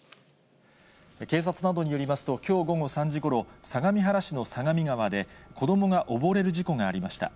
警察などによりますと、きょう午後３時ごろ、相模原市の相模川で、子どもが溺れる事故がありました。